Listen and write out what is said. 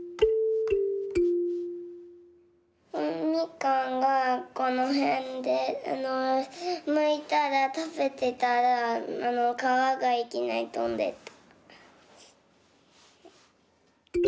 みかんがこのへんでむいたらたべてたらあのかわがいきなりとんでった。